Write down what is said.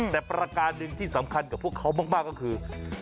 แต่ประการหนึ่งที่สำคัญกับพวกเขามากก็คือ